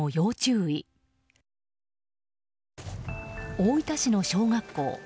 大分市の小学校。